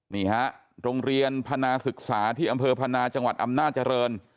นี่ฮะโรงเรียนพนาศึกษาที่อำเภอพนาจังหวัดอำนาจริง